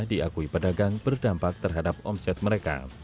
diakui pedagang berdampak terhadap omset mereka